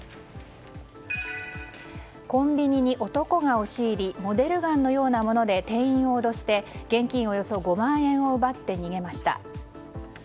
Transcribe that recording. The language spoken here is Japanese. コンビニに男が押し入りモデルガンのようなもので店員を脅して現金およそ５万円を奪って逃げました。